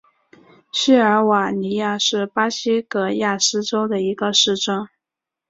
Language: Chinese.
锡尔瓦尼亚是巴西戈亚斯州的一个市镇。